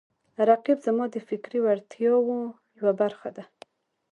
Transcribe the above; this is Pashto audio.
رقیب زما د فکري وړتیاو یوه برخه ده